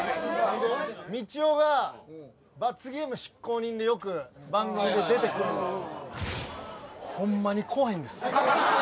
みちおが罰ゲーム執行人でよく番組で出てくるんですよ